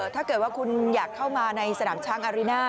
ถ้าเกิดว่าคุณอยากเข้ามาในสนามช้างอาริน่า